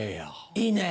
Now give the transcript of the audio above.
いいね。